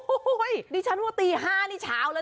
โอ้โฮนี่ฉันว่าตี๕นี่เช้าแล้ว